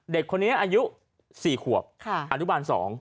เด็กคนนี้อายุ๔ขวบอนุบาล๒